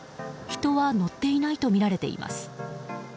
人は乗っていないとみられています。